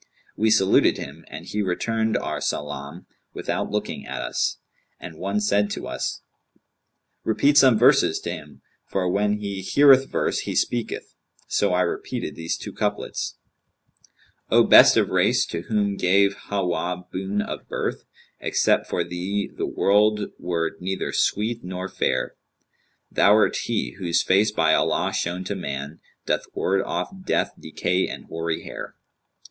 We saluted him, and he returned our salaam, without looking at us, and one said to us, 'Repeat some verses to him; for, when he heareth verse, he speaketh.' So I repeated these two couplets, 'O best of race to whom gave Hawwa[FN#201] boon of birth, * Except for thee the world were neither sweet nor fair! Thou'rt he, whose face, by Allah shown to man, * Doth ward off death, decay and hoary hair.'